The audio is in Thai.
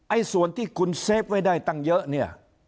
ส่วนที่คุณเซฟไว้ได้ตั้งเยอะเนี่ย